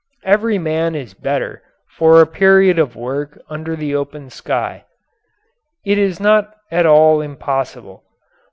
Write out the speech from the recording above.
Every man is better for a period of work under the open sky. It is not at all impossible.